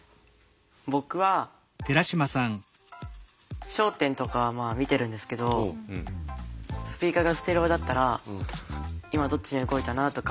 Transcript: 僕は「笑点」とかは見てるんですけどスピーカーがステレオだったら今どっちに動いたなとかは分かります。